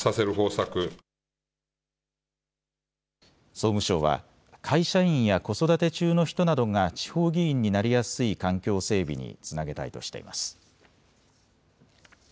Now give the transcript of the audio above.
総務省は会社員や子育て中の人などが地方議員になりやすい環境整備につなげたいとしています。